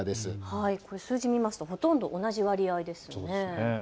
数字見ますとほとんど同じ割合ですね。